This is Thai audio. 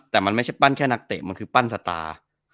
แต่มันไม่ใช่ปั้นแค่นักเตะมันคือปั้นสตาร์